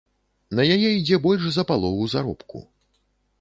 На яе ідзе больш за палову заробку.